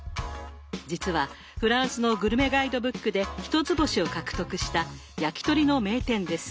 実はフランスのグルメガイドブックで一つ星を獲得した焼き鳥の名店です。